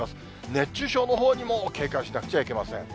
熱中症のほうにも警戒しなくちゃいけません。